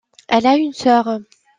Elle a une sœur.